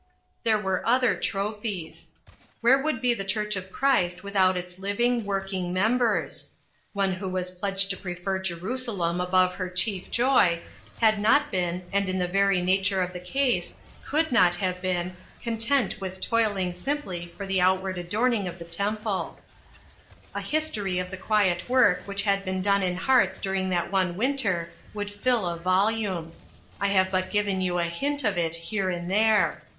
There were other trophies. Where would be the church of Christ without its living, working members ? One who was pledged to prefer Jerusalem above her chief joy, had not been, and in the very nature of the case, could not have been, content with toil ing simply for the outward adorning of the temple. RECOGNITION. 369 A history of the quiet work which had been done in hearts during that one winter would fill a volume. I have but given you a hint of it here and there.